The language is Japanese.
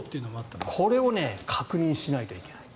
これを確認しないといけない。